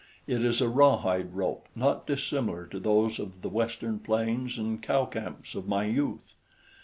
It is a rawhide rope, not dissimilar to those of the Western plains and cow camps of my youth.